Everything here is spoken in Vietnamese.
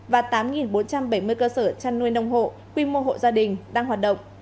và tám bốn trăm bảy mươi cơ sở chăn nuôi nông hộ quy mô hộ gia đình đang hoạt động